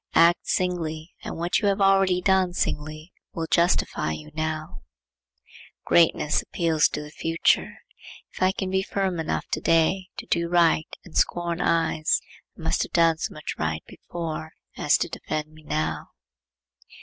Act singly, and what you have already done singly will justify you now. Greatness appeals to the future. If I can be firm enough to day to do right and scorn eyes, I must have done so much right before as to defend me now.